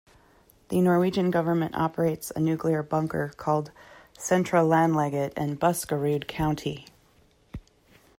The Norwegian government operates a nuclear bunker called Sentralanlegget in Buskerud County.